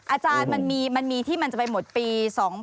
อาจารย์มันมีที่มันจะไปหมดปี๒๕๖